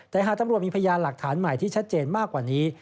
แต่หากตำรวจมีพยานหลักฐานใหม่ที่ชัดเจนมากกว่านี้